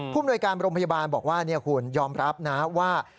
มนวยการโรงพยาบาลบอกว่าคุณยอมรับนะว่า